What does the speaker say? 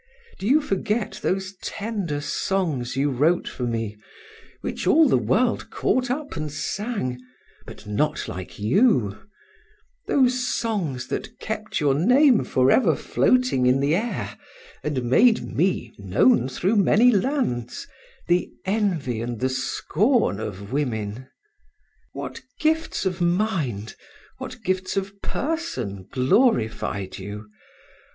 Do you forget those tender songs you wrote for me, which all the world caught up and sang, but not like you, those songs that kept your name ever floating in the air, and made me known through many lands, the envy and the scorn of women? What gifts of mind, what gifts of person glorified you!